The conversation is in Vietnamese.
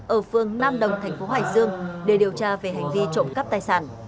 ở phương nam đồng thành phố hải dương để điều tra về hành vi trộm cắp tài sản